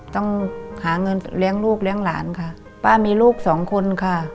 ต้องหาเงินเลี้ยงลูกเลี้ยงหลานค่ะป้ามีลูกสองคนค่ะ